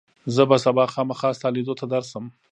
زه به سبا خامخا ستا لیدو ته درشم.